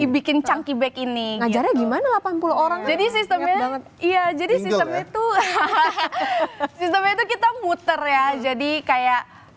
bikin canggih bag ini aja gimana delapan puluh orang jadi sistemnya iya jadi itu kita muter ya jadi kayak